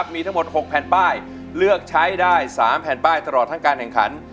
มีทั้งหมด๖แผ่นป้ายเลือกใช้ได้๓แผ่นป้ายตลอดทั้งการแข่งขัน